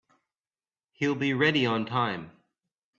He'll be ready on time.